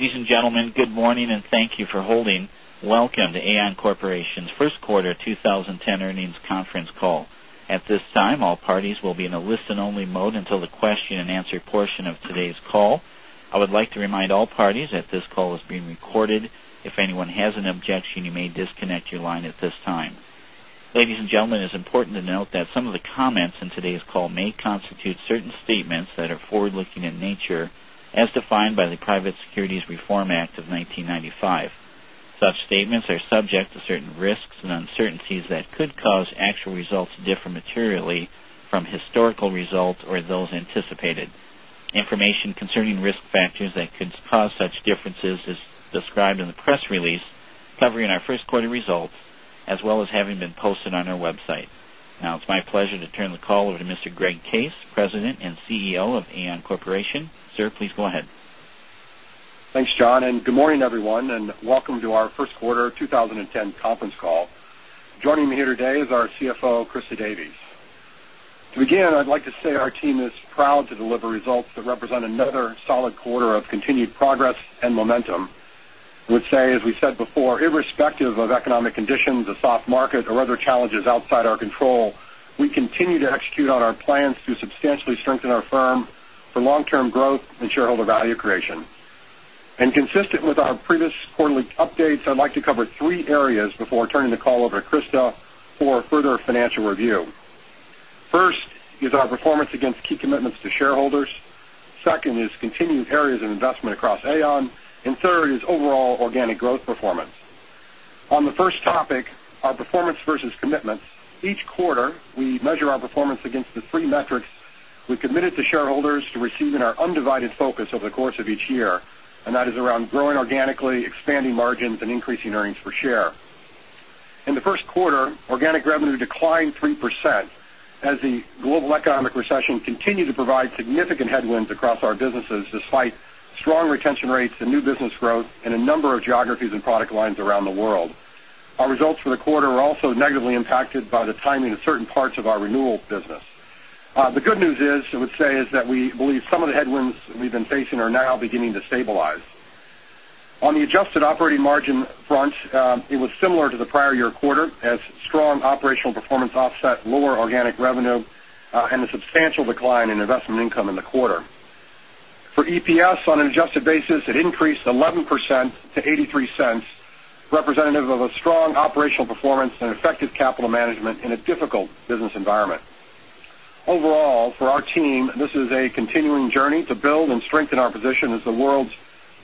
Ladies and gentlemen, good morning and thank you for holding. Welcome to Aon Corporation's first quarter 2010 earnings conference call. At this time, all parties will be in a listen-only mode until the question and answer portion of today's call. I would like to remind all parties that this call is being recorded. If anyone has an objection, you may disconnect your line at this time. Ladies and gentlemen, it is important to note that some of the comments in today's call may constitute certain statements that are forward-looking in nature, as defined by the Private Securities Litigation Reform Act of 1995. Such statements are subject to certain risks and uncertainties that could cause actual results to differ materially from historical results or those anticipated. Information concerning risk factors that could cause such differences is described in the press release covering our first quarter results, as well as having been posted on our website. It's my pleasure to turn the call over to Mr. Greg Case, President and CEO of Aon Corporation. Sir, please go ahead. Thanks, John, and good morning, everyone, and welcome to our first quarter 2010 conference call. Joining me here today is our CFO, Christa Davies. To begin, I'd like to say our team is proud to deliver results that represent another solid quarter of continued progress and momentum. I would say, as we said before, irrespective of economic conditions, a soft market, or other challenges outside our control, we continue to execute on our plans to substantially strengthen our firm for long-term growth and shareholder value creation. Consistent with our previous quarterly updates, I'd like to cover three areas before turning the call over to Christa for a further financial review. First is our performance against key commitments to shareholders. Second is continued areas of investment across Aon. Third is overall organic growth performance. On the first topic, our performance versus commitments. Each quarter, we measure our performance against the three metrics we committed to shareholders to receiving our undivided focus over the course of each year. That is around growing organically, expanding margins, and increasing earnings per share. In the first quarter, organic revenue declined 3% as the global economic recession continued to provide significant headwinds across our businesses, despite strong retention rates and new business growth in a number of geographies and product lines around the world. Our results for the quarter were also negatively impacted by the timing of certain parts of our renewal business. The good news is, I would say, is that we believe some of the headwinds we've been facing are now beginning to stabilize. On the adjusted operating margin front, it was similar to the prior year quarter, as strong operational performance offset lower organic revenue and a substantial decline in investment income in the quarter. For EPS on an adjusted basis, it increased 11% to $0.83, representative of a strong operational performance and effective capital management in a difficult business environment. Overall, for our team, this is a continuing journey to build and strengthen our position as the world's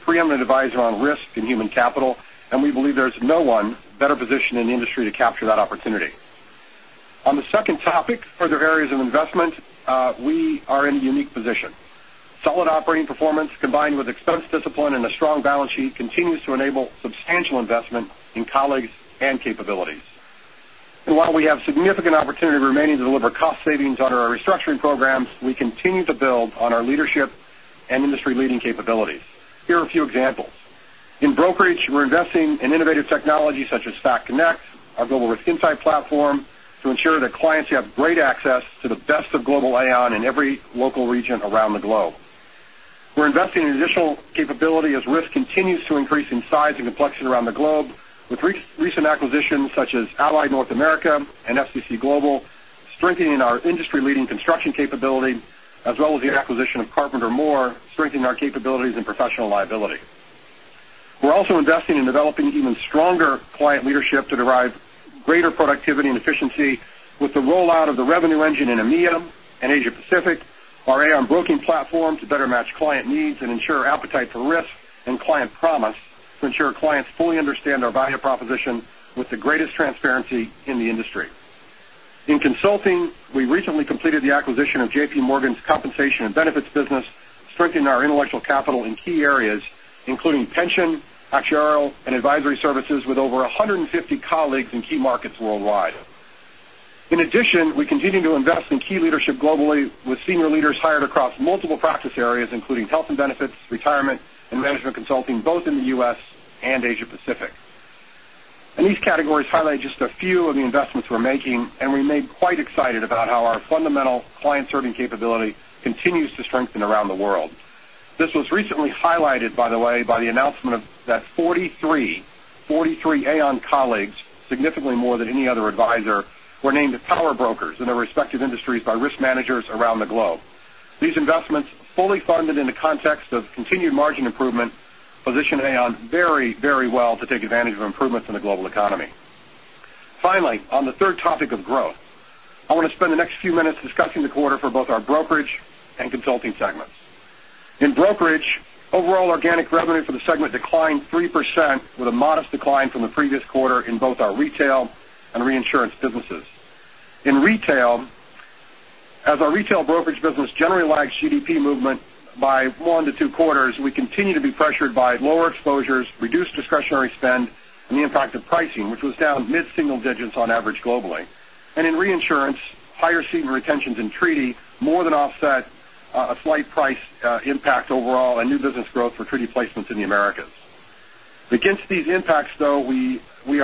preeminent advisor on risk and human capital, we believe there's no one better positioned in the industry to capture that opportunity. On the second topic, further areas of investment, we are in a unique position. Solid operating performance, combined with expense discipline and a strong balance sheet, continues to enable substantial investment in colleagues and capabilities. While we have significant opportunity remaining to deliver cost savings under our restructuring programs, we continue to build on our leadership and industry-leading capabilities. Here are a few examples. In brokerage, we're investing in innovative technology such as Fac Connect, our Global Risk Insight Platform, to ensure that clients have great access to the best of global Aon in every local region around the globe. We're investing in additional capability as risk continues to increase in size and complexity around the globe, with recent acquisitions such as Allied North America and FCC Global, strengthening our industry-leading construction capability, as well as the acquisition of Carpenter Moore, strengthening our capabilities in professional liability. We're also investing in developing even stronger client leadership to derive greater productivity and efficiency with the rollout of the Revenue Engine in EMEA and Asia Pacific, our Aon Broking platform to better match client needs and ensure appetite for risk, and Client Promise to ensure clients fully understand our value proposition with the greatest transparency in the industry. In consulting, we recently completed the acquisition of JPMorgan's compensation and benefits business, strengthening our intellectual capital in key areas, including pension, actuarial, and advisory services, with over 150 colleagues in key markets worldwide. In addition, we continue to invest in key leadership globally, with senior leaders hired across multiple practice areas, including health and benefits, retirement, and management consulting, both in the U.S. and Asia Pacific. These categories highlight just a few of the investments we're making, and remain quite excited about how our fundamental client-serving capability continues to strengthen around the world. This was recently highlighted, by the way, by the announcement that 43 Aon colleagues, significantly more than any other advisor, were named power brokers in their respective industries by risk managers around the globe. These investments, fully funded in the context of continued margin improvement, position Aon very well to take advantage of improvements in the global economy. Finally, on the third topic of growth, I want to spend the next few minutes discussing the quarter for both our brokerage and consulting segments. In brokerage, overall organic revenue for the segment declined 3%, with a modest decline from the previous quarter in both our retail and reinsurance businesses. In retail, as our retail brokerage business generally lags GDP movement by one to two quarters, we continue to be pressured by lower exposures, reduced discretionary spend, and the impact of pricing, which was down mid-single digits on average globally. In reinsurance, higher ceding retentions in treaty more than offset a slight price impact overall on new business growth for treaty placements in the Americas. Against these impacts, though, which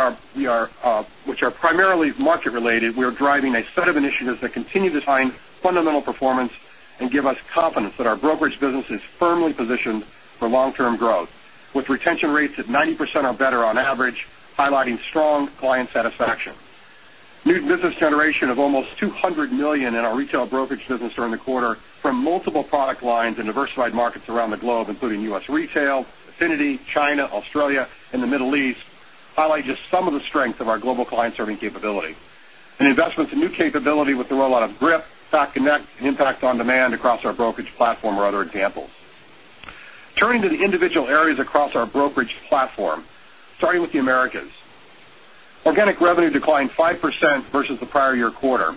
are primarily market related, we are driving a set of initiatives that continue to find fundamental performance and give us confidence that our brokerage business is firmly positioned for long-term growth, with retention rates at 90% or better on average, highlighting strong client satisfaction. New business generation of almost $200 million in our retail brokerage business during the quarter from multiple product lines and diversified markets around the globe, including U.S. retail, affinity, China, Australia, and the Middle East, highlight just some of the strengths of our global client-serving capability. Investments in new capability with the rollout of GRIP, [inaudible] and Impact on Demand across our brokerage platform are other examples. Turning to the individual areas across our brokerage platform, starting with the Americas. Organic revenue declined 5% versus the prior year quarter.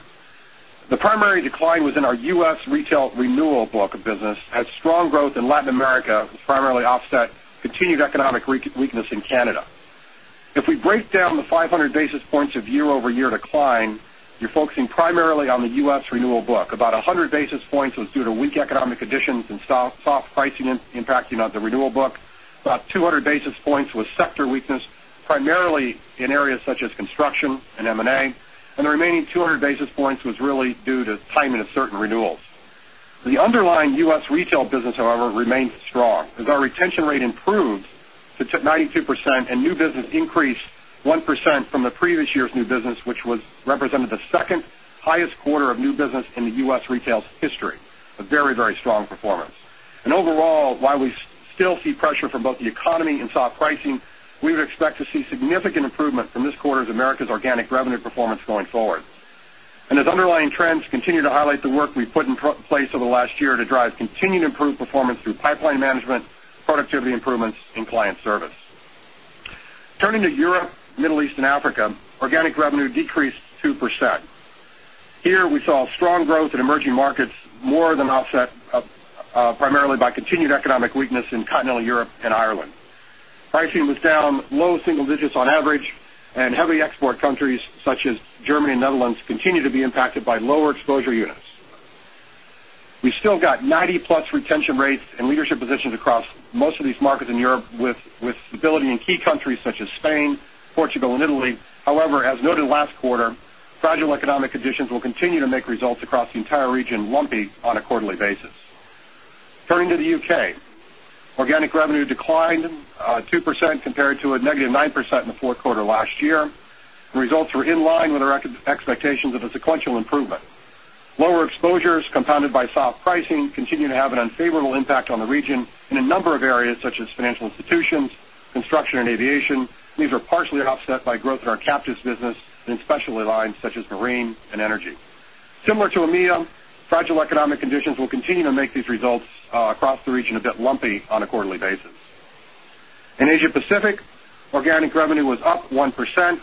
The primary decline was in our U.S. retail renewal book of business, as strong growth in Latin America was primarily offset, continued economic weakness in Canada. If we break down the 500 basis points of year-over-year decline, you're focusing primarily on the U.S. renewal book. About 100 basis points was due to weak economic conditions and soft pricing impacting on the renewal book. About 200 basis points was sector weakness, primarily in areas such as construction and M&A, and the remaining 200 basis points was really due to timing of certain renewals. The underlying U.S. retail business, however, remains strong as our retention rate improved to 92% and new business increased 1% from the previous year's new business, which represented the second highest quarter of new business in the U.S. retail's history. A very strong performance. Overall, while we still see pressure from both the economy and soft pricing, we would expect to see significant improvement from this quarter's Americas organic revenue performance going forward. As underlying trends continue to highlight the work we've put in place over the last year to drive continued improved performance through pipeline management, productivity improvements, and client service. Turning to Europe, Middle East, and Africa, organic revenue decreased 2%. Here, we saw strong growth in emerging markets more than offset primarily by continued economic weakness in continental Europe and Ireland. Pricing was down low single digits on average, and heavy export countries such as Germany and Netherlands continue to be impacted by lower exposure units. We've still got 90-plus retention rates and leadership positions across most of these markets in Europe, with stability in key countries such as Spain, Portugal, and Italy. However, as noted last quarter, fragile economic conditions will continue to make results across the entire region lumpy on a quarterly basis. Turning to the U.K. Organic revenue declined 2% compared to a negative 9% in the fourth quarter last year. Results were in line with our expectations of a sequential improvement. Lower exposures compounded by soft pricing continue to have an unfavorable impact on the region in a number of areas such as financial institutions, construction, and aviation. These are partially offset by growth in our captives business and in specialty lines such as marine and energy. Similar to EMEA, fragile economic conditions will continue to make these results across the region a bit lumpy on a quarterly basis. In Asia Pacific, organic revenue was up 1%.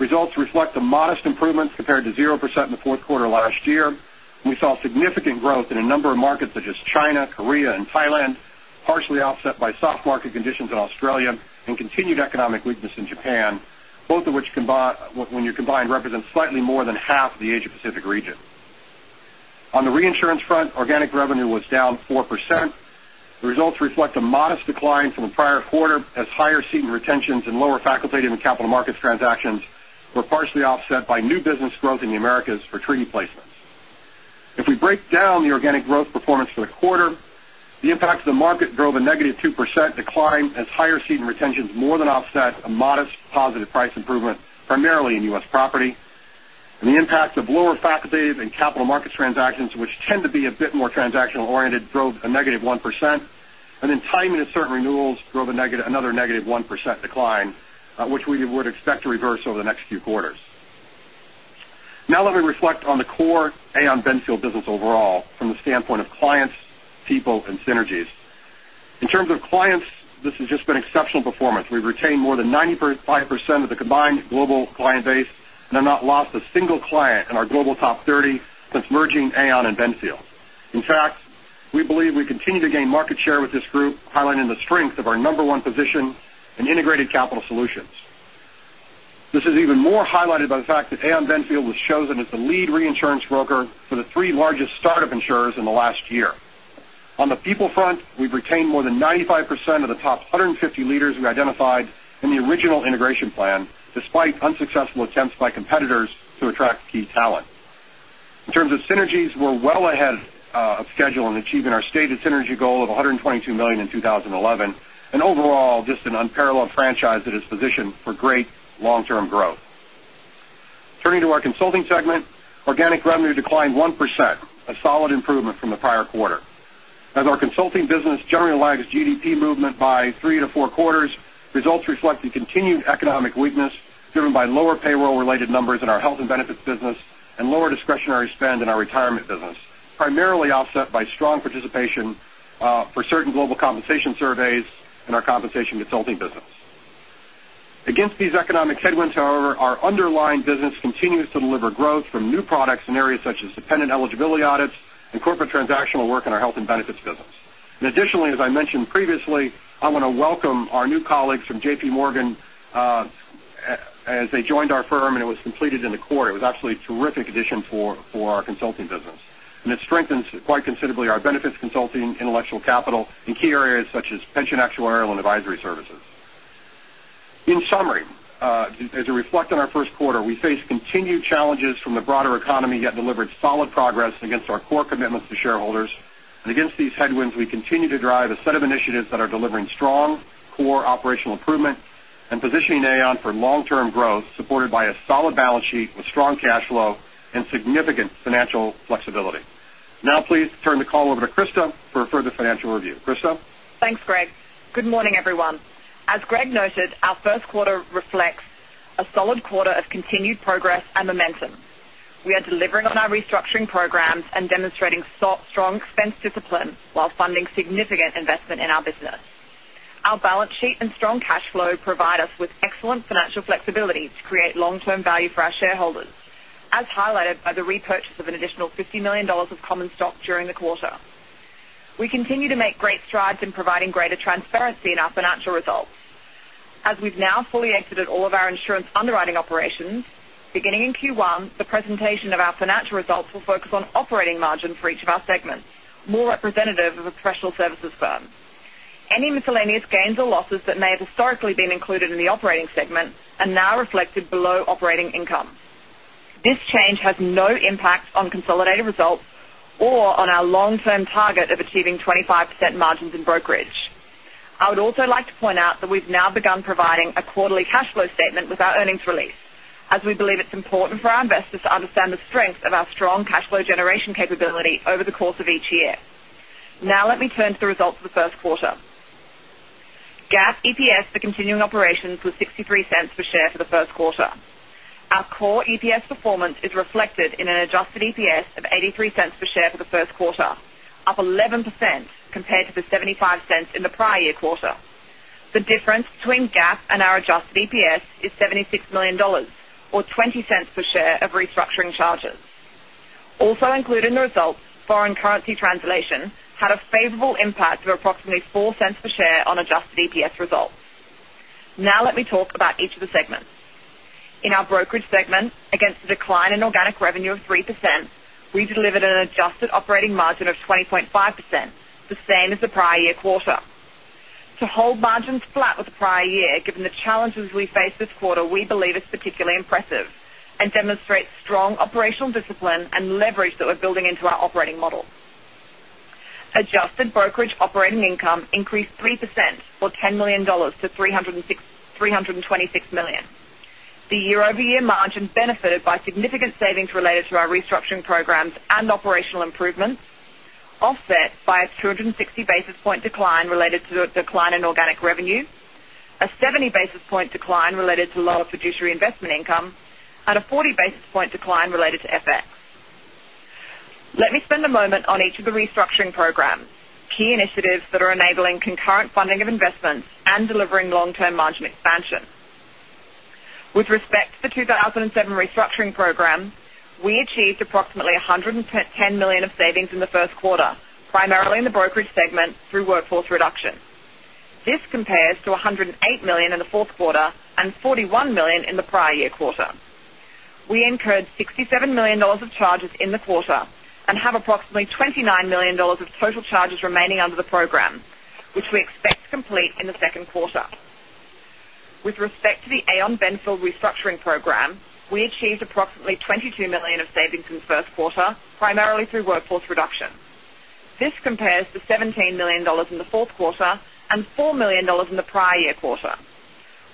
Results reflect a modest improvement compared to 0% in the fourth quarter last year. We saw significant growth in a number of markets such as China, Korea, and Thailand, partially offset by soft market conditions in Australia and continued economic weakness in Japan, both of which, when you combine, represent slightly more than half of the Asia Pacific region. On the reinsurance front, organic revenue was down 4%. The results reflect a modest decline from the prior quarter, as higher ceding retentions and lower facultative and capital markets transactions were partially offset by new business growth in the Americas for treaty placements. If we break down the organic growth performance for the quarter, the impact of the market drove a negative 2% decline as higher ceding retentions more than offset a modest positive price improvement, primarily in U.S. property. The impact of lower facultative and capital markets transactions, which tend to be a bit more transactional oriented, drove a negative 1%. Timing of certain renewals drove another negative 1% decline, which we would expect to reverse over the next few quarters. Now let me reflect on the core Aon Benfield business overall from the standpoint of clients, people, and synergies. In terms of clients, this has just been exceptional performance. We've retained more than 95% of the combined global client base and have not lost a single client in our global top 30 since merging Aon and Benfield. In fact, we believe we continue to gain market share with this group, highlighting the strength of our number one position in integrated capital solutions. This is even more highlighted by the fact that Aon Benfield was chosen as the lead reinsurance broker for the three largest startup insurers in the last year. On the people front, we've retained more than 95% of the top 150 leaders we identified in the original integration plan, despite unsuccessful attempts by competitors to attract key talent. In terms of synergies, we're well ahead of schedule in achieving our stated synergy goal of $122 million in 2011. Overall, just an unparalleled franchise that is positioned for great long-term growth. Turning to our consulting segment, organic revenue declined 1%, a solid improvement from the prior quarter. As our consulting business generally lags GDP movement by three to four quarters, results reflect the continued economic weakness driven by lower payroll-related numbers in our health and benefits business and lower discretionary spend in our retirement business, primarily offset by strong participation for certain global compensation surveys in our compensation consulting business. Against these economic headwinds, however, our underlying business continues to deliver growth from new products in areas such as dependent eligibility audits and corporate transactional work in our health and benefits business. Additionally, as I mentioned previously, I want to welcome our new colleagues from JPMorgan. As they joined our firm and it was completed in the quarter, it was actually a terrific addition for our consulting business. It strengthens, quite considerably, our benefits consulting intellectual capital in key areas such as pension, actuarial, and advisory services. In summary, as we reflect on our first quarter, we face continued challenges from the broader economy, yet delivered solid progress against our core commitments to shareholders. Against these headwinds, we continue to drive a set of initiatives that are delivering strong core operational improvement and positioning Aon for long-term growth, supported by a solid balance sheet with strong cash flow and significant financial flexibility. Now please turn the call over to Christa for a further financial review. Christa? Thanks, Greg. Good morning, everyone. As Greg noted, our first quarter reflects a solid quarter of continued progress and momentum. We are delivering on our restructuring programs and demonstrating strong expense discipline while funding significant investment in our business. Our balance sheet and strong cash flow provide us with excellent financial flexibility to create long-term value for our shareholders, as highlighted by the repurchase of an additional $50 million of common stock during the quarter. We continue to make great strides in providing greater transparency in our financial results. As we've now fully exited all of our insurance underwriting operations, beginning in Q1, the presentation of our financial results will focus on operating margin for each of our segments, more representative of a professional services firm. Any miscellaneous gains or losses that may have historically been included in the operating segment are now reflected below operating income. This change has no impact on consolidated results or on our long-term target of achieving 25% margins in brokerage. I would also like to point out that we've now begun providing a quarterly cash flow statement with our earnings release, as we believe it's important for our investors to understand the strength of our strong cash flow generation capability over the course of each year. Let me turn to the results of the first quarter. GAAP EPS for continuing operations was $0.63 per share for the first quarter. Our core EPS performance is reflected in an adjusted EPS of $0.83 per share for the first quarter, up 11% compared to the $0.75 in the prior year quarter. The difference between GAAP and our adjusted EPS is $76 million, or $0.20 per share of restructuring charges. Also included in the results, foreign currency translation had a favorable impact of approximately $0.04 per share on adjusted EPS results. Let me talk about each of the segments. In our brokerage segment, against the decline in organic revenue of 3%, we delivered an adjusted operating margin of 20.5%, the same as the prior year quarter. To hold margins flat with the prior year, given the challenges we faced this quarter, we believe is particularly impressive and demonstrates strong operational discipline and leverage that we're building into our operating model. Adjusted brokerage operating income increased 3%, or $10 million, to $326 million. The year-over-year margin benefited by significant savings related to our restructuring programs and operational improvements, offset by a 260 basis point decline related to a decline in organic revenue, a 70 basis point decline related to lower fiduciary investment income, and a 40 basis point decline related to FX. Let me spend a moment on each of the restructuring programs, key initiatives that are enabling concurrent funding of investments and delivering long-term margin expansion. With respect to the 2007 restructuring program, we achieved approximately $110 million of savings in the first quarter, primarily in the brokerage segment through workforce reduction. This compares to $108 million in the fourth quarter and $41 million in the prior year quarter. We incurred $67 million of charges in the quarter and have approximately $29 million of total charges remaining under the program, which we expect to complete in the second quarter. With respect to the Aon Benfield restructuring program, we achieved approximately $22 million of savings in the first quarter, primarily through workforce reduction. This compares to $17 million in the fourth quarter and $4 million in the prior year quarter.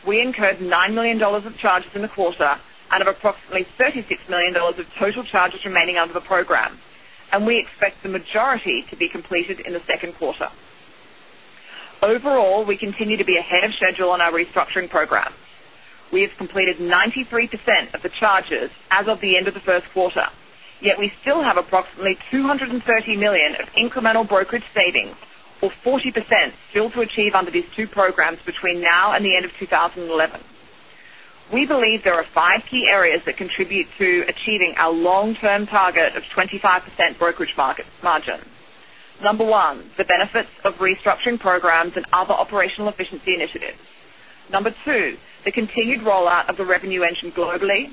We incurred $9 million of charges in the quarter out of approximately $36 million of total charges remaining under the program, and we expect the majority to be completed in the second quarter. Overall, we continue to be ahead of schedule on our restructuring program. We have completed 93% of the charges as of the end of the first quarter, yet we still have approximately $230 million of incremental brokerage savings, or 40%, still to achieve under these two programs between now and the end of 2011. We believe there are five key areas that contribute to achieving our long-term target of 25% brokerage margin. Number one, the benefits of restructuring programs and other operational efficiency initiatives. Number two, the continued rollout of the Revenue Engine globally.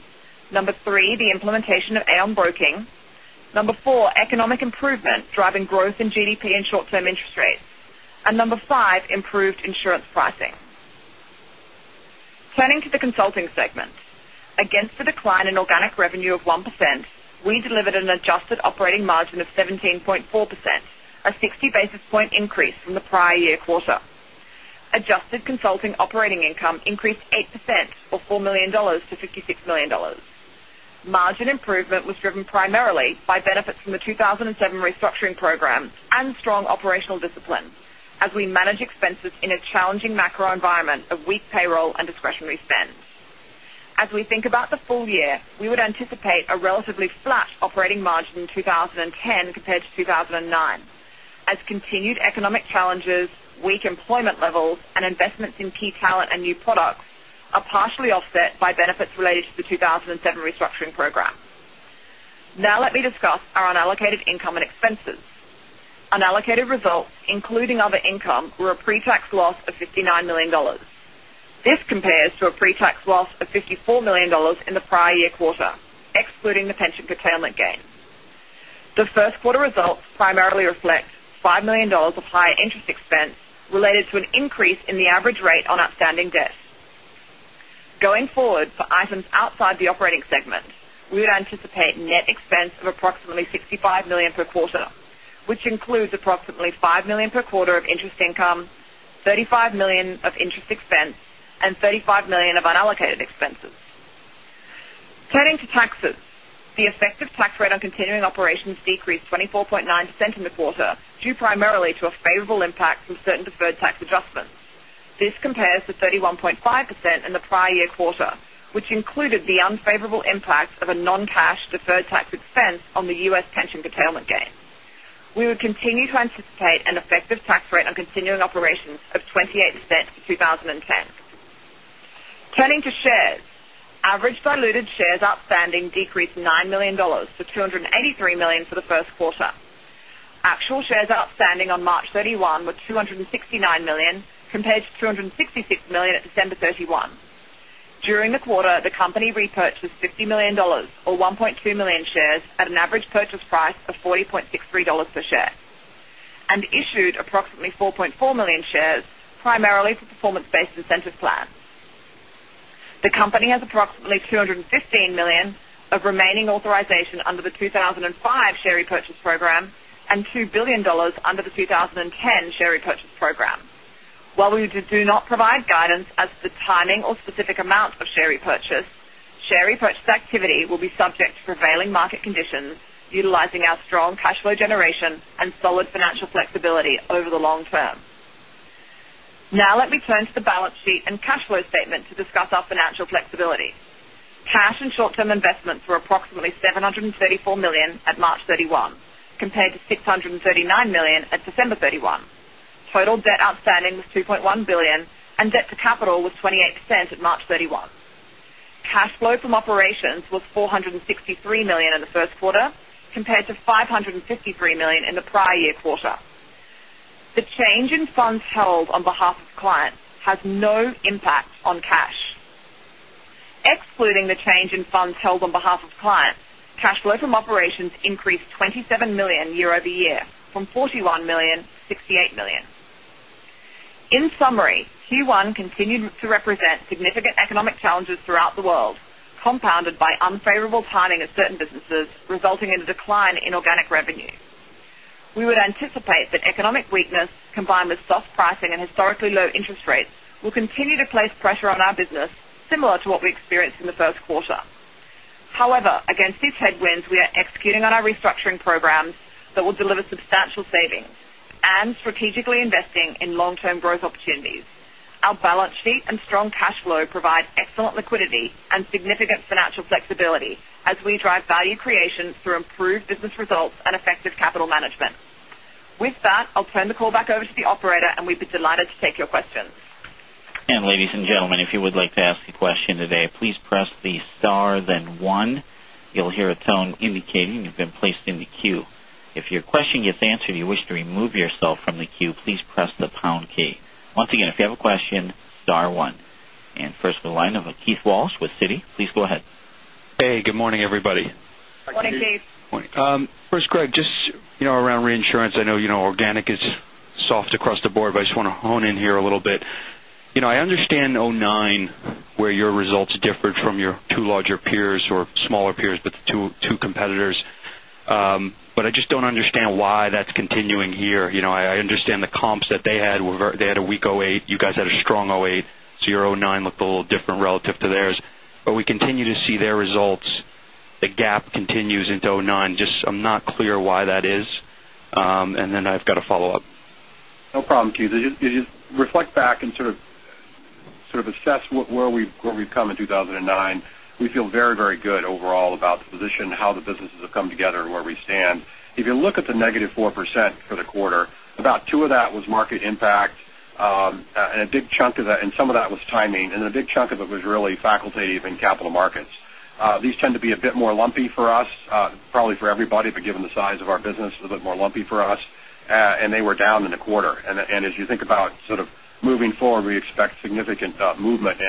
Number three, the implementation of Aon Broking. Number four, economic improvement driving growth in GDP and short-term interest rates. Number five, improved insurance pricing. Turning to the consulting segment. Against the decline in organic revenue of 1%, we delivered an adjusted operating margin of 17.4%, a 60 basis point increase from the prior year quarter. Adjusted consulting operating income increased 8%, or $4 million, to $56 million. Margin improvement was driven primarily by benefits from the 2007 restructuring program and strong operational discipline as we manage expenses in a challenging macro environment of weak payroll and discretionary spend. As we think about the full year, we would anticipate a relatively flat operating margin in 2010 compared to 2009 as continued economic challenges, weak employment levels, and investments in key talent and new products are partially offset by benefits related to the 2007 restructuring program. Now let me discuss our unallocated income and expenses. Unallocated results, including other income, were a pretax loss of $59 million. This compares to a pretax loss of $54 million in the prior year quarter, excluding the pension curtailment gain. The first quarter results primarily reflect $5 million of higher interest expense related to an increase in the average rate on outstanding debt. Going forward, for items outside the operating segment, we would anticipate net expense of approximately $65 million per quarter, which includes approximately $5 million per quarter of interest income, $35 million of interest expense, and $35 million of unallocated expenses. Turning to taxes, the effective tax rate on continuing operations decreased 24.9% in the quarter, due primarily to a favorable impact from certain deferred tax adjustments. This compares to 31.5% in the prior year quarter, which included the unfavorable impact of a non-cash deferred tax expense on the U.S. pension curtailment gain. We would continue to anticipate an effective tax rate on continuing operations of 28% for 2010. Turning to shares, average diluted shares outstanding decreased 9 million to 283 million for the first quarter. Actual shares outstanding on March 31 were 269 million, compared to 266 million at December 31. During the quarter, the company repurchased $50 million, or 1.2 million shares, at an average purchase price of $40.63 per share, and issued approximately 4.4 million shares, primarily for the performance-based incentive plan. The company has approximately $215 million of remaining authorization under the 2005 share repurchase program and $2 billion under the 2010 share repurchase program. While we do not provide guidance as to the timing or specific amount of share repurchase, share repurchase activity will be subject to prevailing market conditions, utilizing our strong cash flow generation and solid financial flexibility over the long term. Now let me turn to the balance sheet and cash flow statement to discuss our financial flexibility. Cash and short-term investments were approximately $734 million at March 31, compared to $639 million at December 31. Total debt outstanding was $2.1 billion, and debt to capital was 28% at March 31. Cash flow from operations was $463 million in the first quarter, compared to $553 million in the prior year quarter. The change in funds held on behalf of clients has no impact on cash. Excluding the change in funds held on behalf of clients, cash flow from operations increased $27 million year-over-year from $41 million to $68 million. In summary, Q1 continued to represent significant economic challenges throughout the world, compounded by unfavorable timing of certain businesses, resulting in a decline in organic revenue. We would anticipate that economic weakness, combined with soft pricing and historically low interest rates, will continue to place pressure on our business similar to what we experienced in the first quarter. However, against these headwinds, we are executing on our restructuring programs that will deliver substantial savings and strategically investing in long-term growth opportunities. Our balance sheet and strong cash flow provide excellent liquidity and significant financial flexibility as we drive value creation through improved business results and effective capital management. With that, I'll turn the call back over to the operator, and we'd be delighted to take your questions. Ladies and gentlemen, if you would like to ask a question today, please press the star then one. You'll hear a tone indicating you've been placed in the queue. If your question gets answered and you wish to remove yourself from the queue, please press the pound key. Once again, if you have a question, star one. First the line of Keith Walsh with Citi. Please go ahead. Hey, good morning, everybody. Morning, Keith. First, Greg, just around reinsurance, I know organic is soft across the board, but I just want to hone in here a little bit. I understand 2009, where your results differed from your two larger peers or smaller peers, but the two competitors. I just don't understand why that's continuing here. I understand the comps that they had a weak 2008. You guys had a strong 2008, so your 2009 looked a little different relative to theirs. We continue to see their results. The gap continues into 2009. Just I'm not clear why that is. I've got a follow-up. No problem, Keith. If you reflect back and sort of assess where we've come in 2009, we feel very good overall about the position, how the businesses have come together and where we stand. If you look at the negative 4% for the quarter, about two of that was market impact. Some of that was timing, and a big chunk of it was really facultative and capital markets. These tend to be a bit more lumpy for us, probably for everybody, but given the size of our business, it's a bit more lumpy for us. They were down in the quarter. As you think about moving forward, we expect significant movement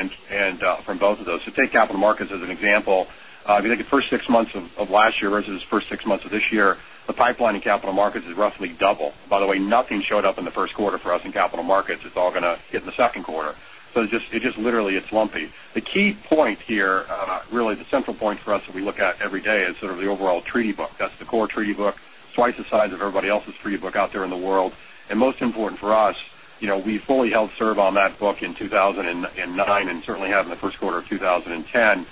from both of those. Take capital markets as an example. If you look at the first six months of last year versus the first six months of this year, the pipeline in capital markets is roughly double. By the way, nothing showed up in the first quarter for us in capital markets. It's all going to hit in the second quarter. It just literally is lumpy. The key point here, really the central point for us that we look at every day is sort of the overall treaty book. That's the core treaty book, twice the size of everybody else's treaty book out there in the world. Most important for us, we fully held serve on that book in 2009 and certainly have in the first quarter of 2010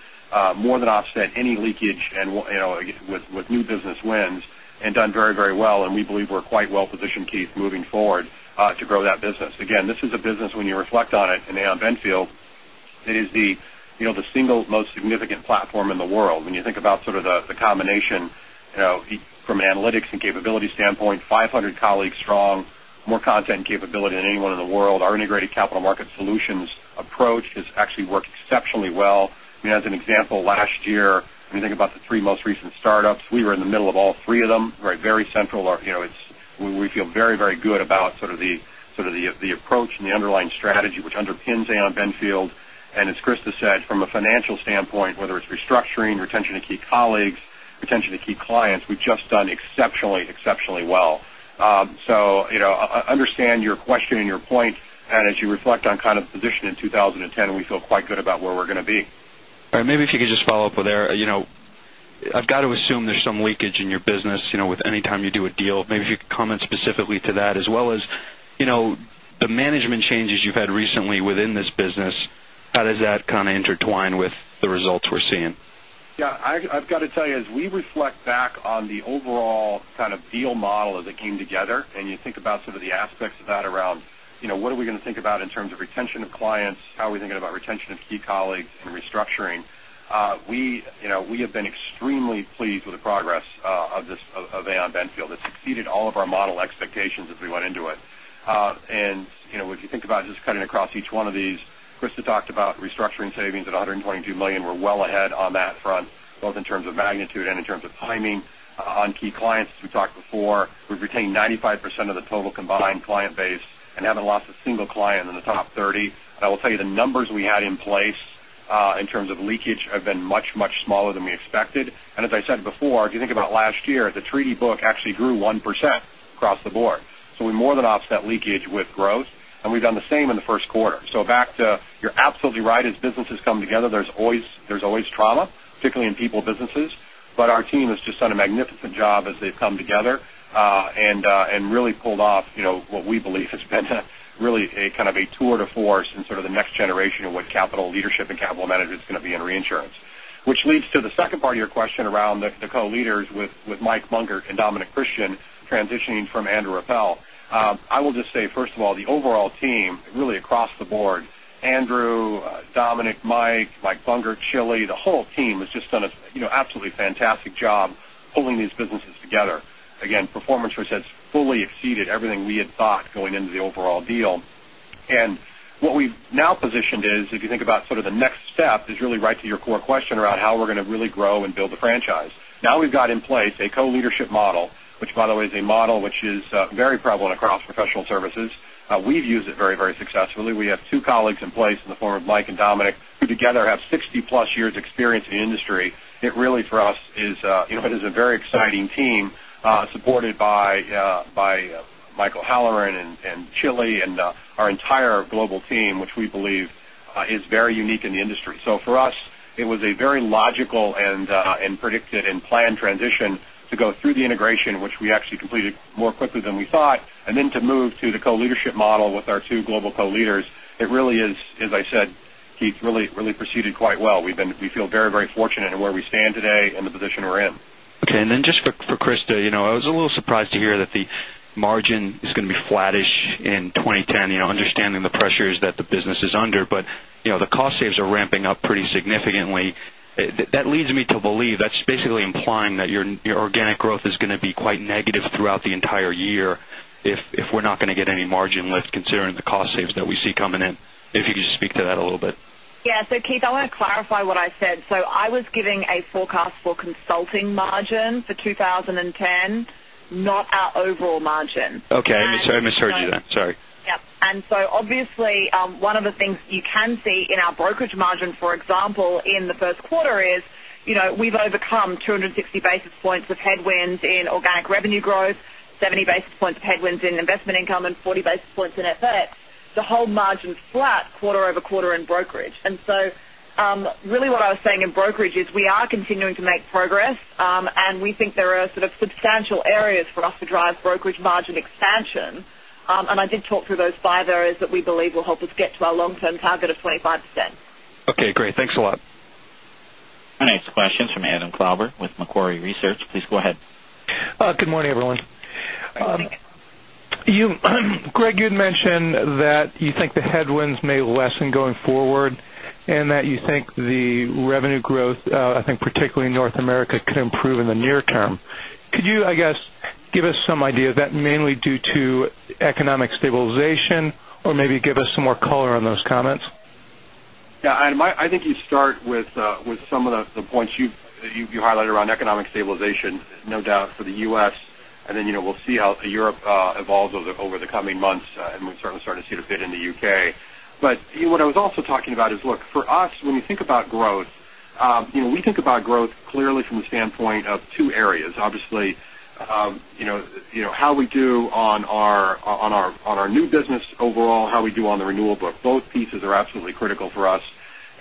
more than offset any leakage and with new business wins and done very well. We believe we're quite well positioned, Keith, moving forward to grow that business. Again, this is a business, when you reflect on it in Aon Benfield, it is the single most significant platform in the world. When you think about the combination from analytics and capability standpoint, 500 colleagues strong More content and capability than anyone in the world. Our integrated capital market solutions approach has actually worked exceptionally well. As an example, last year, when you think about the three most recent startups, we were in the middle of all three of them. Very central. We feel very, very good about the approach and the underlying strategy, which underpins Aon Benfield. As Christa said, from a financial standpoint, whether it's restructuring, retention of key colleagues, retention of key clients, we've just done exceptionally well. I understand your question and your point, and as you reflect on position in 2010, we feel quite good about where we're going to be. All right. Maybe if you could just follow up with there. I've got to assume there's some leakage in your business, with any time you do a deal. Maybe if you could comment specifically to that, as well as, the management changes you've had recently within this business, how does that intertwine with the results we're seeing? Yeah. I've got to tell you, as we reflect back on the overall kind of deal model as it came together, you think about the aspects of that around, what are we going to think about in terms of retention of clients? How are we thinking about retention of key colleagues and restructuring? We have been extremely pleased with the progress of Aon Benfield. It's exceeded all of our model expectations as we went into it. If you think about just cutting across each one of these, Christa talked about restructuring savings at $122 million. We're well ahead on that front, both in terms of magnitude and in terms of timing. On key clients, as we talked before, we've retained 95% of the total combined client base and haven't lost a single client in the top 30. I will tell you, the numbers we had in place, in terms of leakage, have been much, much smaller than we expected. As I said before, if you think about last year, the treaty book actually grew 1% across the board. We more than offset leakage with growth, and we've done the same in the first quarter. Back to, you're absolutely right. As businesses come together, there's always trauma, particularly in people businesses. Our team has just done a magnificent job as they've come together, and really pulled off what we believe has been really a tour de force and sort of the next generation of what capital leadership and capital management is going to be in reinsurance. Which leads to the second part of your question around the co-leaders with Mike Bungert and Dominic Christian transitioning from Andrew Appel. I will just say, first of all, the overall team, really across the board, Andrew, Dominic, Mike Bungert, Chilly, the whole team has just done an absolutely fantastic job pulling these businesses together. Again, performance which has fully exceeded everything we had thought going into the overall deal. What we've now positioned is, if you think about the next step, is really right to your core question around how we're going to really grow and build the franchise. Now we've got in place a co-leadership model. Which, by the way, is a model which is very prevalent across professional services. We've used it very successfully. We have two colleagues in place in the form of Mike and Dominic, who together have 60-plus years' experience in the industry. It really, for us, is a very exciting team, supported by Michael O'Halleran and Chilly and our entire global team, which we believe is very unique in the industry. For us, it was a very logical and predicted and planned transition to go through the integration, which we actually completed more quickly than we thought, and then to move to the co-leadership model with our two global co-leaders. It really is, as I said, Keith, really proceeded quite well. We feel very fortunate in where we stand today and the position we're in. Okay. Just for Christa, I was a little surprised to hear that the margin is going to be flattish in 2010, understanding the pressures that the business is under. The cost saves are ramping up pretty significantly. That leads me to believe that's basically implying that your organic growth is going to be quite negative throughout the entire year if we're not going to get any margin lift, considering the cost saves that we see coming in. If you could just speak to that a little bit. Yeah. Keith, I want to clarify what I said. I was giving a forecast for consulting margin for 2010, not our overall margin. Okay. I misheard you then. Sorry. Yep. Obviously, one of the things you can see in our brokerage margin, for example, in the first quarter is, we've overcome 260 basis points of headwinds in organic revenue growth, 70 basis points of headwinds in investment income, and 40 basis points in FX. The whole margin's flat quarter-over-quarter in brokerage. Really what I was saying in brokerage is we are continuing to make progress, and we think there are substantial areas for us to drive brokerage margin expansion. I did talk through those five areas that we believe will help us get to our long-term target of 25%. Okay, great. Thanks a lot. Our next question is from Adam Klauber with Macquarie Research. Please go ahead. Good morning, everyone. Greg, you'd mentioned that you think the headwinds may lessen going forward and that you think the revenue growth, I think particularly in North America, could improve in the near term. Could you, I guess, give us some idea, is that mainly due to economic stabilization, or maybe give us some more color on those comments? Adam, I think you start with some of the points you highlighted around economic stabilization, no doubt for the U.S., then we'll see how Europe evolves over the coming months. We've certainly started to see it a bit in the U.K. What I was also talking about is, look, for us, when we think about growth, we think about growth clearly from the standpoint of two areas. Obviously, how we do on our new business overall, how we do on the renewal book. Both pieces are absolutely critical for us.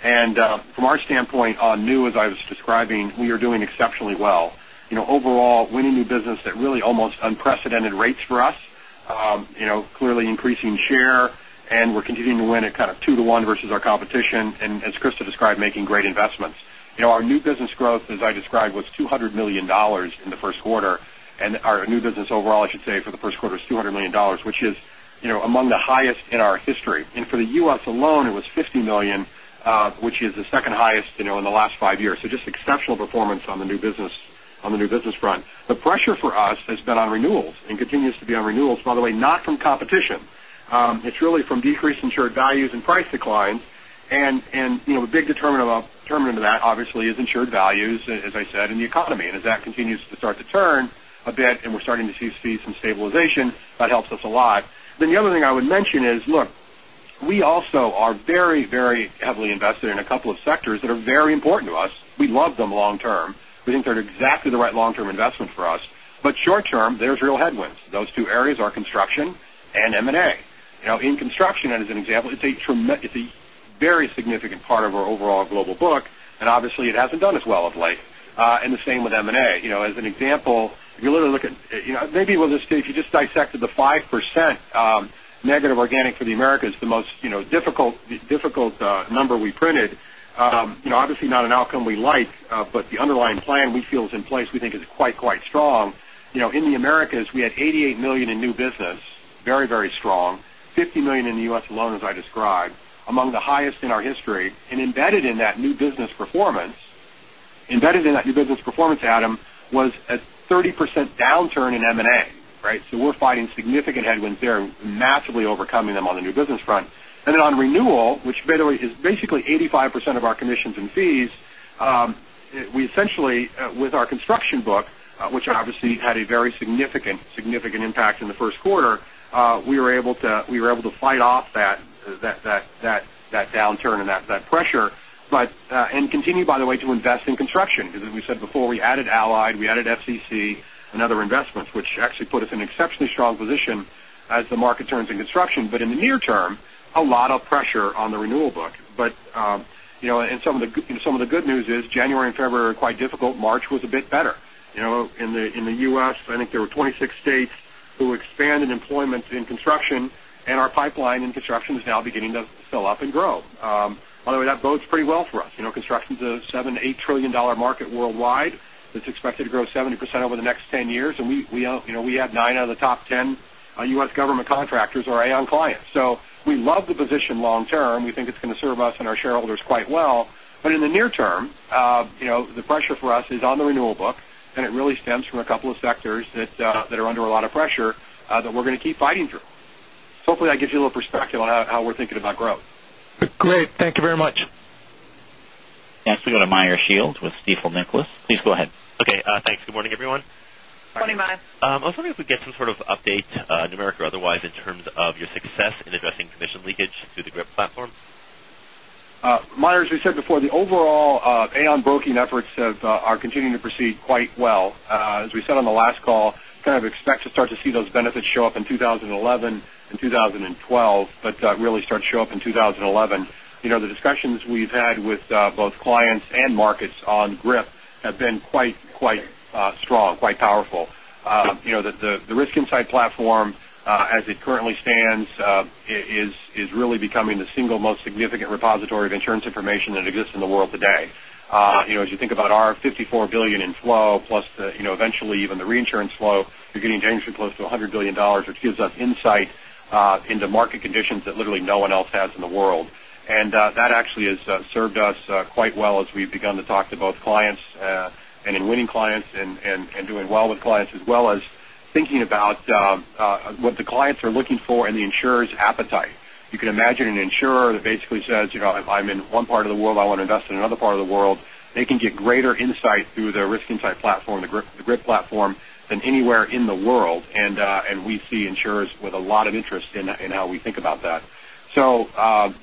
From our standpoint on new, as I was describing, we are doing exceptionally well. Overall, winning new business at really almost unprecedented rates for us. Clearly increasing share, and we're continuing to win at kind of 2 to 1 versus our competition. As Christa described, making great investments. Our new business growth, as I described, was $200 million in the first quarter. Our new business overall, I should say, for the first quarter is $200 million, which is among the highest in our history. For the U.S. alone, it was $50 million, which is the second highest in the last five years. Just exceptional performance on the new business front. The pressure for us has been on renewals and continues to be on renewals, by the way, not from competition. It's really from decreased insured values and price declines. The big determinant of that, obviously, is insured values, as I said, and the economy. As that continues to start to turn a bit and we're starting to see some stabilization, that helps us a lot. The other thing I would mention is, look, we also are very heavily invested in a couple of sectors that are very important to us. We love them long-term. We think they're exactly the right long-term investment for us. Short-term, there's real headwinds. Those two areas are construction and M&A. In construction, as an example, it's a very significant part of our overall global book, and obviously, it hasn't done as well of late. The same with M&A. As an example, maybe we'll just say, if you just dissected the 5% negative organic for the Americas, the most difficult number we printed. Obviously, not an outcome we like, but the underlying plan we feel is in place, we think is quite strong. In the Americas, we had $88 million in new business, very strong, $50 million in the U.S. alone, as I described, among the highest in our history. Embedded in that new business performance, Adam, was a 30% downturn in M&A. We're fighting significant headwinds there and massively overcoming them on the new business front. On renewal, which by the way, is basically 85% of our commissions and fees, we essentially, with our construction book, which obviously had a very significant impact in the first quarter, we were able to fight off that downturn and that pressure. Continue, by the way, to invest in construction, because as we said before, we added Allied, we added FCC and other investments, which actually put us in exceptionally strong position as the market turns in construction. In the near term, a lot of pressure on the renewal book. Some of the good news is January and February are quite difficult. March was a bit better. In the U.S., I think there were 26 states who expanded employment in construction, and our pipeline in construction is now beginning to fill up and grow. By the way, that bodes pretty well for us. Construction's a $78 trillion market worldwide that's expected to grow 70% over the next 10 years. We have nine out of the top 10 U.S. government contractors are Aon clients. We love the position long-term. We think it's going to serve us and our shareholders quite well. In the near term, the pressure for us is on the renewal book, and it really stems from a couple of sectors that are under a lot of pressure that we're going to keep fighting through. Hopefully, that gives you a little perspective on how we're thinking about growth. Great. Thank you very much. Next, we go to Meyer Shields with Stifel Nicolaus. Please go ahead. Okay, thanks. Good morning, everyone. Morning, Meyer. I was wondering if we get some sort of update, numeric or otherwise, in terms of your success in addressing commission leakage through the GRIP platform. Meyer, as we said before, the overall Aon Broking efforts are continuing to proceed quite well. As we said on the last call, kind of expect to start to see those benefits show up in 2011 and 2012, but really start to show up in 2011. The discussions we've had with both clients and markets on GRIP have been quite strong, quite powerful. The Risk Insight Platform, as it currently stands, is really becoming the single most significant repository of insurance information that exists in the world today. As you think about our $54 billion in flow plus eventually even the reinsurance flow, you're getting dangerously close to $100 billion, which gives us insight into market conditions that literally no one else has in the world. That actually has served us quite well as we've begun to talk to both clients and in winning clients and doing well with clients, as well as thinking about what the clients are looking for and the insurer's appetite. You can imagine an insurer that basically says, "If I'm in one part of the world, I want to invest in another part of the world." They can get greater insight through the Risk Insight Platform, the GRIP Platform, than anywhere in the world. We see insurers with a lot of interest in how we think about that.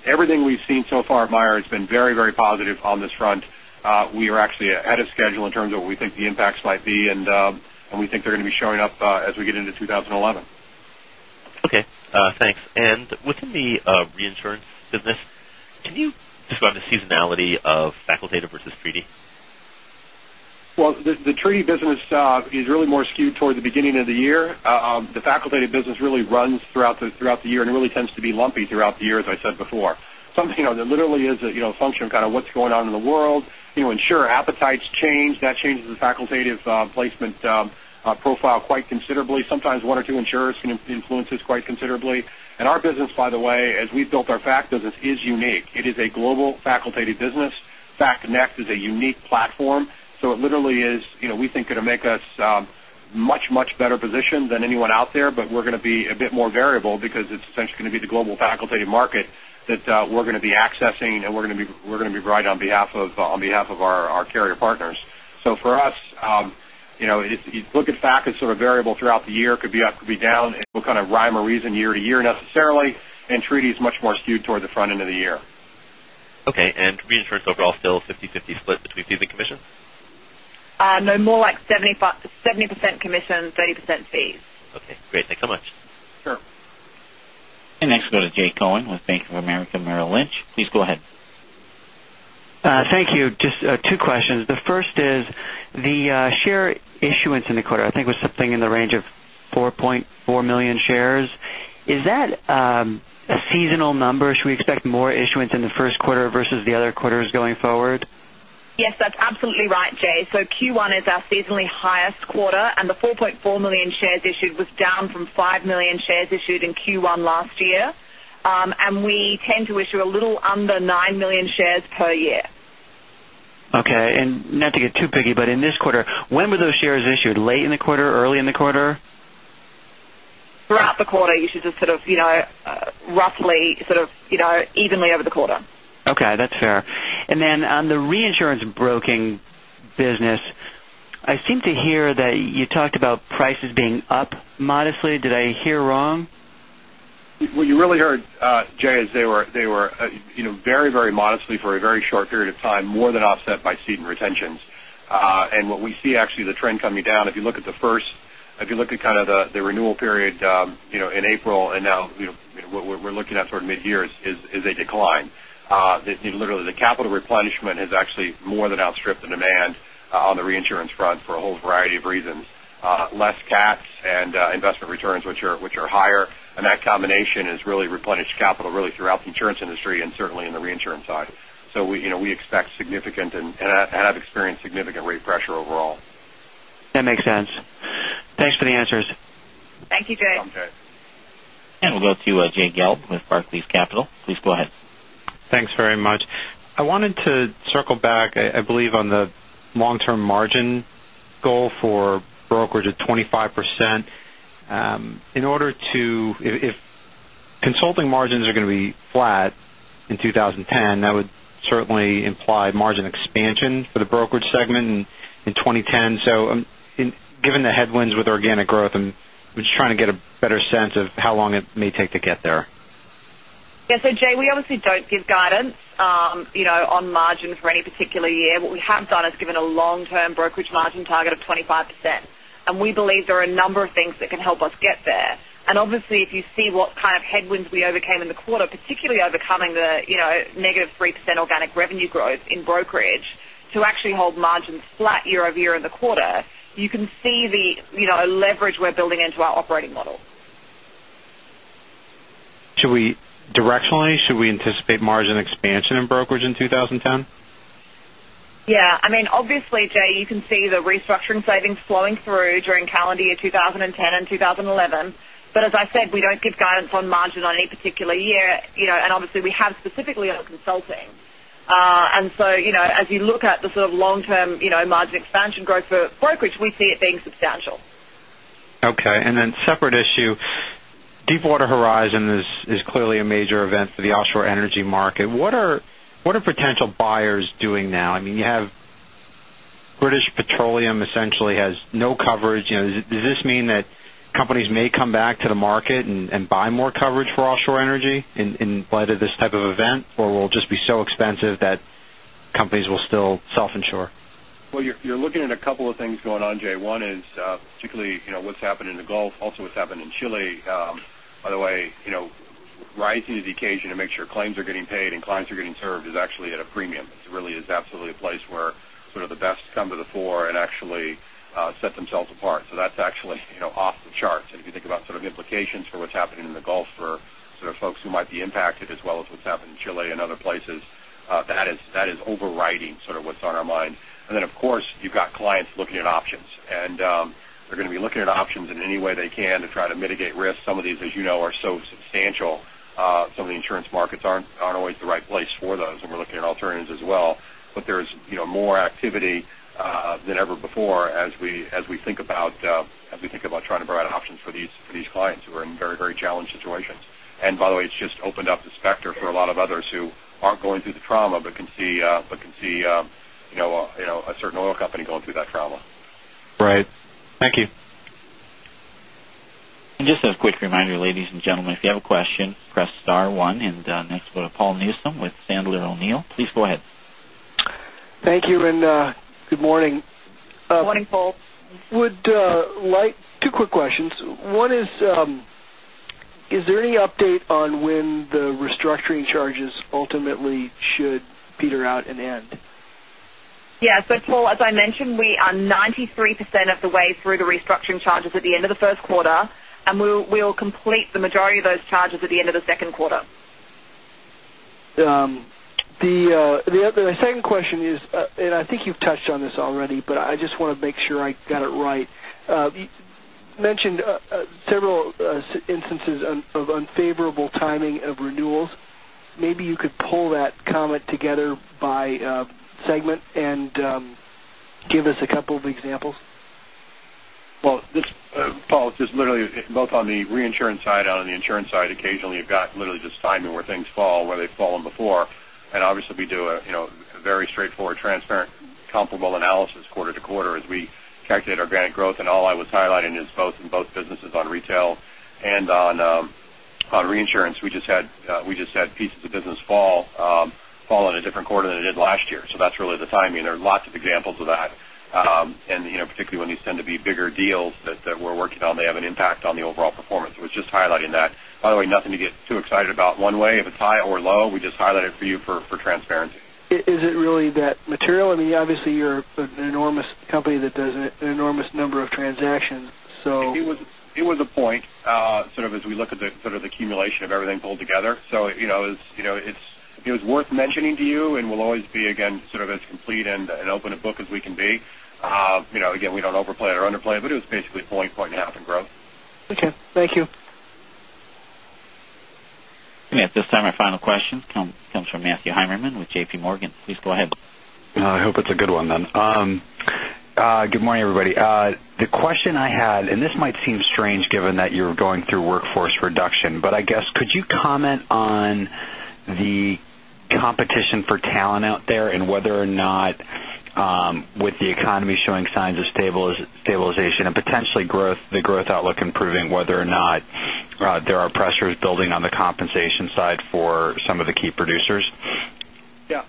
Everything we've seen so far, Meyer, has been very positive on this front. We are actually ahead of schedule in terms of what we think the impacts might be, and we think they're going to be showing up as we get into 2011. Okay, thanks. Within the reinsurance business, can you describe the seasonality of facultative versus treaty? Well, the treaty business is really more skewed towards the beginning of the year. The facultative business really runs throughout the year, and it really tends to be lumpy throughout the year, as I said before. Something that literally is a function of kind of what's going on in the world. Insurer appetites change. That changes the facultative placement profile quite considerably. Sometimes one or two insurers can influence this quite considerably. Our business, by the way, as we've built our fac business, is unique. It is a global facultative business. FAConnect is a unique platform. It literally is, we think, going to make us much better positioned than anyone out there. We're going to be a bit more variable because it's essentially going to be the global facultative market that we're going to be accessing, and we're going to be right on behalf of our carrier partners. For us, if you look at fac as sort of variable throughout the year, could be up, could be down. There's no kind of rhyme or reason year to year, necessarily. Treaty is much more skewed towards the front end of the year. Okay. reinsurance overall still 50/50 split between fees and commissions? No, more like 70% commission, 30% fees. Okay, great. Thanks so much. Sure. Next we go to Jay Cohen with Bank of America Merrill Lynch. Please go ahead. Thank you. Just two questions. The first is the share issuance in the quarter, I think, was something in the range of 4.4 million shares. Is that a seasonal number? Should we expect more issuance in the first quarter versus the other quarters going forward? Yes, that's absolutely right, Jay. Q1 is our seasonally highest quarter, and the 4.4 million shares issued was down from 5 million shares issued in Q1 last year. We tend to issue a little under 9 million shares per year. Okay. Not to get too picky, in this quarter, when were those shares issued? Late in the quarter, early in the quarter? Throughout the quarter, issues are roughly evenly over the quarter. Okay. That's fair. Then on the reinsurance broking business, I seem to hear that you talked about prices being up modestly. Did I hear wrong? What you really heard, Jay, is they were very modestly for a very short period of time, more than offset by ceding retentions. What we see, actually, the trend coming down, if you look at the kind of the renewal period, in April, and now what we're looking at mid-year is a decline. Literally, the capital replenishment has actually more than outstripped the demand on the reinsurance front for a whole variety of reasons. Less CAT and investment returns, which are higher. That combination has really replenished capital really throughout the insurance industry and certainly in the reinsurance side. We expect significant and have experienced significant rate pressure overall. That makes sense. Thanks for the answers. Thank you, Jay. You're welcome, Jay. We'll go to Jay Gelb with Barclays Capital. Please go ahead. Thanks very much. I wanted to circle back, I believe, on the long-term margin goal for brokerage at 25%. If consulting margins are going to be flat in 2010, that would certainly imply margin expansion for the brokerage segment in 2010. Given the headwinds with organic growth, I'm just trying to get a better sense of how long it may take to get there. Yeah. Jay, we obviously don't give guidance on margins for any particular year. What we have done is given a long-term brokerage margin target of 25%, and we believe there are a number of things that can help us get there. Obviously, if you see what kind of headwinds we overcame in the quarter, particularly overcoming the negative 3% organic revenue growth in brokerage to actually hold margins flat year-over-year in the quarter, you can see the leverage we're building into our operating model. Directionally, should we anticipate margin expansion in brokerage in 2010? Yeah. Obviously, Jay, you can see the restructuring savings flowing through during calendar year 2010 and 2011. As I said, we don't give guidance on margin on any particular year, obviously, we have specifically on Aon Consulting. As you look at the sort of long-term margin expansion growth for brokerage, we see it being substantial. Okay. Separate issue, Deepwater Horizon is clearly a major event for the offshore energy market. What are potential buyers doing now? You have British Petroleum essentially has no coverage. Does this mean that companies may come back to the market and buy more coverage for offshore energy in light of this type of event? Will it just be so expensive that companies will still self-insure? Well, you're looking at a couple of things going on, Jay. One is, particularly, what's happened in the Gulf, also what's happened in Chile. By the way, rising to the occasion to make sure claims are getting paid and clients are getting served is actually at a premium. It really is absolutely a place where the best come to the fore and actually set themselves apart. That's actually off the charts. If you think about sort of implications for what's happening in the Gulf for folks who might be impacted as well as what's happened in Chile and other places, that is overriding what's on our mind. Of course, you've got clients looking at options, and they're going to be looking at options in any way they can to try to mitigate risk. Some of these, as you know, are so substantial. Some of the insurance markets aren't always the right place for those, and we're looking at alternatives as well. There's more activity than ever before as we think about trying to provide options for these clients who are in very challenged situations. By the way, it's just opened up the specter for a lot of others who aren't going through the trauma but can see a certain oil company going through that trauma. Right. Thank you. Just a quick reminder, ladies and gentlemen, if you have a question, press star one. Next, we'll go to Paul Newsome with Sandler O'Neill. Please go ahead. Thank you, and good morning. Morning, Paul. Two quick questions. One is there any update on when the restructuring charges ultimately should peter out and end? Yeah. Paul, as I mentioned, we are 93% of the way through the restructuring charges at the end of the first quarter, and we'll complete the majority of those charges at the end of the second quarter. The second question is, and I think you've touched on this already, but I just want to make sure I got it right. You mentioned several instances of unfavorable timing of renewals. Maybe you could pull that comment together by segment and give us a couple of examples. Paul, just literally both on the reinsurance side and on the insurance side, occasionally you've got literally just timing where things fall where they've fallen before. Obviously, we do a very straightforward, transparent, comparable analysis quarter to quarter as we calculate organic growth. All I was highlighting is both in both businesses on retail and on reinsurance, we just had pieces of business fall on a different quarter than it did last year. That's really the timing. There are lots of examples of that. Particularly when these tend to be bigger deals that we're working on, they have an impact on the overall performance. I was just highlighting that. By the way, nothing to get too excited about one way. If it's high or low, we just highlight it for you for transparency. Is it really that material? Obviously, you're an enormous company that does an enormous number of transactions, so- It was a point as we look at the sort of the accumulation of everything pulled together. It was worth mentioning to you, and we'll always be, again, as complete and open a book as we can be. Again, we don't overplay it or underplay it, but it was basically a point and a half in growth. Okay. Thank you. At this time, our final question comes from Matthew Heimermann with J.P. Morgan. Please go ahead. I hope it's a good one then. Good morning, everybody. The question I had, and this might seem strange given that you're going through workforce reduction, but I guess could you comment on the competition for talent out there and whether or not, with the economy showing signs of stabilization and potentially the growth outlook improving, whether or not there are pressures building on the compensation side for some of the key producers? Yeah.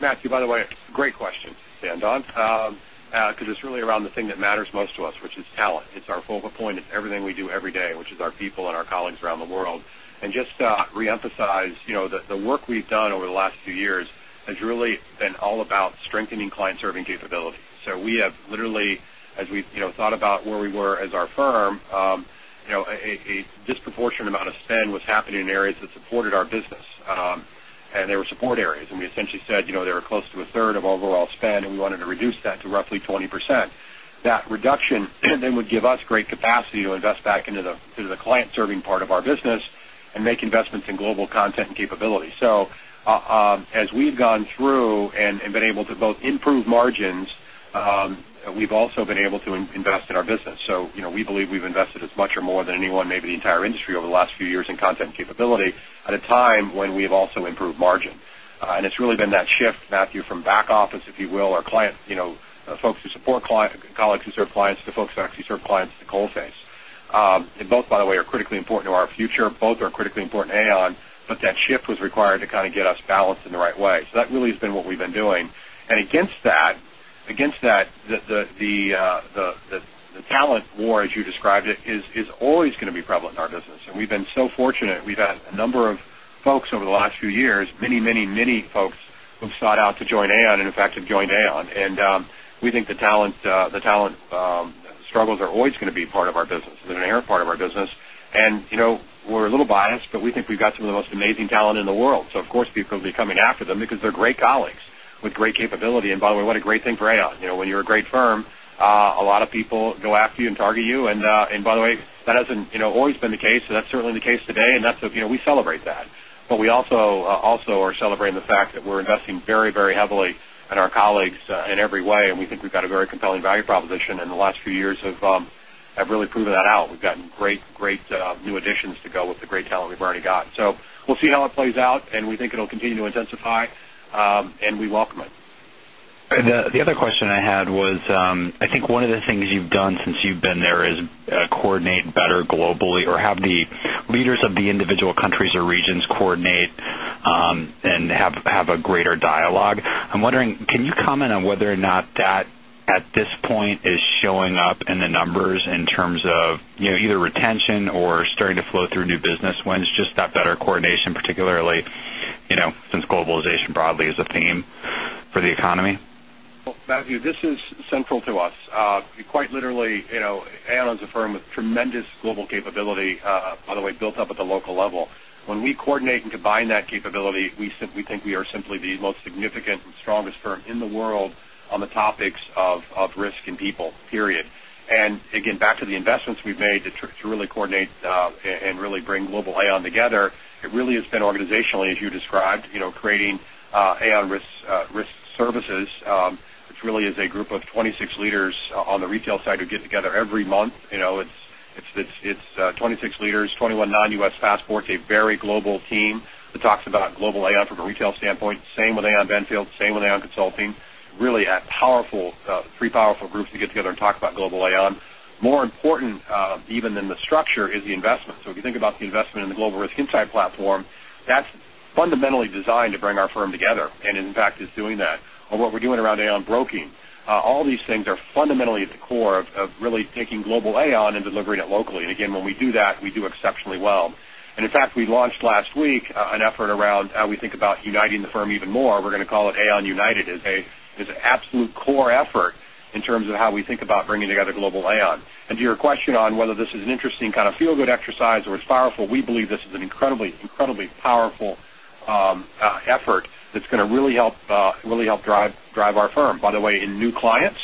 Matthew, by the way, great question to end on because it's really around the thing that matters most to us, which is talent. It's our focal point. It's everything we do every day, which is our people and our colleagues around the world. Just to reemphasize, the work we've done over the last few years has really been all about strengthening client-serving capabilities. We have literally, as we've thought about where we were as our firm, a disproportionate amount of spend was happening in areas that supported our business. They were support areas, and we essentially said they were close to a third of overall spend, and we wanted to reduce that to roughly 20%. That reduction then would give us great capacity to invest back into the client-serving part of our business and make investments in global content and capability. As we've gone through and been able to both improve margins, we've also been able to invest in our business. We believe we've invested as much or more than anyone, maybe the entire industry over the last few years in content capability at a time when we have also improved margin. It's really been that shift, Matthew, from back office, if you will, our folks who support colleagues who serve clients to folks who actually serve clients at the coalface. Both, by the way, are critically important to our future. Both are critically important to Aon, but that shift was required to kind of get us balanced in the right way. That really has been what we've been doing. Against that, the talent war, as you described it, is always going to be prevalent in our business. We've been so fortunate. We've had a number of folks over the last few years, many folks who've sought out to join Aon and, in fact, have joined Aon. We think the talent struggles are always going to be part of our business. They're an inherent part of our business. We're a little biased, but we think we've got some of the most amazing talent in the world. Of course, people will be coming after them because they're great colleagues with great capability. By the way, what a great thing for Aon. When you're a great firm, a lot of people go after you and target you. By the way, that hasn't always been the case. That's certainly the case today, and we celebrate that. We also are celebrating the fact that we're investing very heavily in our colleagues in every way. The other question I had was I think one of the things you've done since you've been there is coordinate better globally or have the leaders of the individual countries or regions coordinate and have a greater dialogue. I'm wondering, can you comment on whether or not that at this point is showing up in the numbers in terms of either retention or starting to flow through new business wins, just that better coordination, particularly since globalization broadly is a theme for the economy? Matthew, this is central to us. Quite literally, Aon's a firm with tremendous global capability, by the way, built up at the local level. When we coordinate and combine that capability, we think we are simply the most significant and strongest firm in the world on the topics of risk and people, period. Again, back to the investments we've made to really coordinate and really bring global Aon together, it really has been organizationally, as you described, creating Aon Risk Services, which what we're doing around Aon Broking. All these things are fundamentally at the core of really taking global Aon and delivering it locally. again, when we do that, we do exceptionally well. in fact, we launched last week an effort around how we think about uniting the firm even more. We're going to call it Aon United. It's an absolute core effort in terms of how we think about bringing together global Aon. to your question on whether this is an interesting kind of feel-good exercise or it's powerful, we believe this is an incredibly powerful effort that's going to really help drive our firm, by the way, in new clients,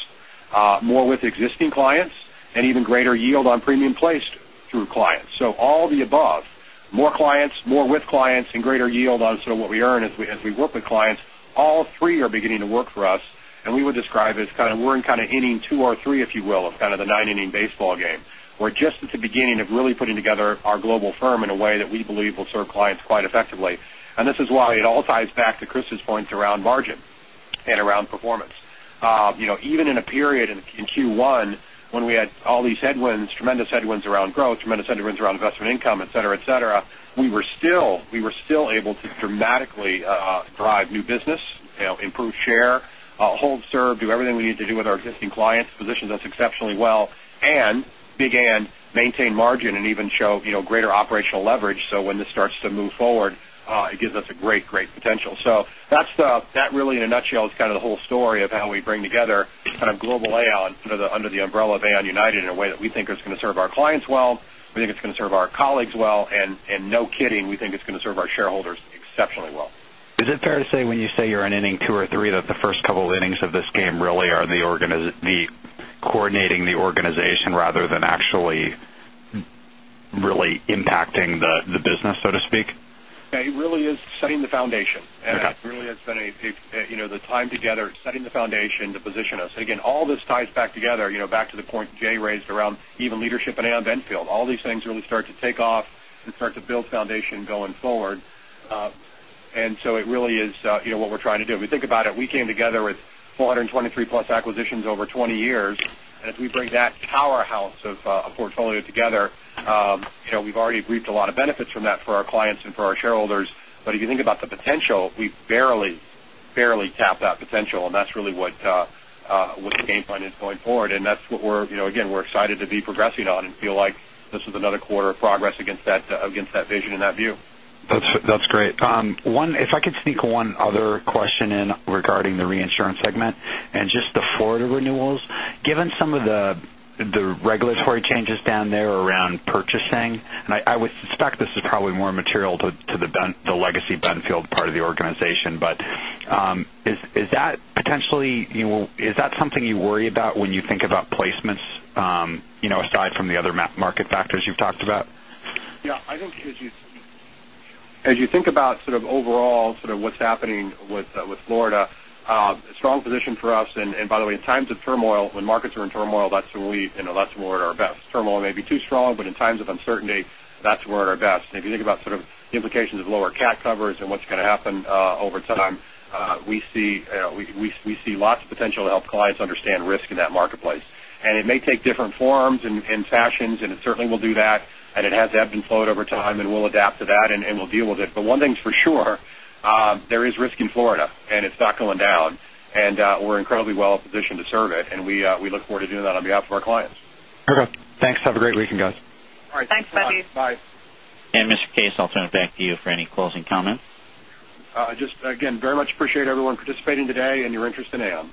more with existing clients, and even greater yield on premium placed through clients. So all of the above, more clients, more with clients, and greater yield on sort of what we earn as we work with clients, all three are beginning to work for us. And we would describe it as kind of we're in kind of inning two or three, if you will, of kind of the nine-inning baseball game. We're just at the beginning of really putting together our global firm in a way that we believe will serve clients quite effectively. And this is why it all ties back to Christa's points around margin and around performance. Even in a period in Q1 when we had all these headwinds, tremendous headwinds around growth, tremendous headwinds around investment income, et cetera, we were still able to dramatically drive new business, improve share, hold serve, do everything we needed to do with our existing clients, position us exceptionally well, and big and maintain margin and even show greater operational leverage. So when this starts to move forward, it gives us a great potential. So that really in a nutshell is kind of the whole story of how we bring together kind of global Aon under the umbrella of Aon United in a way that we think is going to serve our clients well. We think it's going to serve our colleagues well. And no kidding, we think it's going to serve our shareholders exceptionally well. Is it fair to say when you say you're in inning two or three that the first couple of innings of this game really are the organi- coordinating the organization rather than actually really impacting the business, so to speak? It really is setting the foundation. Okay. it really has been the time together, setting the foundation to position us. Again, all this ties back together, back to the point Jay raised around even leadership in Aon Benfield. All these things really start to take off and start to build foundation going forward. it really is what we're trying to do. If we think about it, we came together with 423-plus acquisitions over 20 years. as we bring that powerhouse of a portfolio together, we've already reaped a lot of benefits from that for our clients and for our shareholders. if you think about the potential, we've barely tapped that potential, and that's really what the game plan is going forward. that's what, again, we're excited to be progressing on and feel like this is another quarter of progress against that vision and that view. That's great. If I could sneak one other question in regarding the reinsurance segment and just the Florida renewals. Given some of the regulatory changes down there around purchasing, and I would suspect this is probably more material to the legacy Benfield part of the organization, but is that something you worry about when you think about placements, aside from the other market factors you've talked about? Yeah, I think as you think about sort of overall what's happening with Florida, a strong position for us, and by the way, in times of turmoil, when markets are in turmoil, that's where we're at our best. Turmoil may be too strong, but in times of uncertainty, that's where we're at our best. if you think about sort of the implications of lower CAT covers and what's going to happen over time, we see lots of potential to help clients understand risk in that marketplace. it may take different forms and fashions, and it certainly will do that, and it has ebbed and flowed over time, and we'll adapt to that, and we'll deal with it. one thing's for sure, there is risk in Florida, and it's not going down. We're incredibly well positioned to serve it, and we look forward to doing that on behalf of our clients. Okay. Thanks. Have a great week, you guys. All right. Thanks, Buddy. Bye. Mr. Case, I'll turn it back to you for any closing comments. I just again, very much appreciate everyone participating today and your interest in Aon.